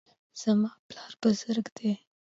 زما پلار بزګر دی